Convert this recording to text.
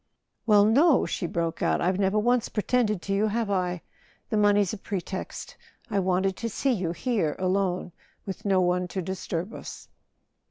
"Well, no!" she broke out. "I've never once pre¬ tended to you, have I ? The money's a pretext. I wanted to see you—here, alone, with no one to disturb us."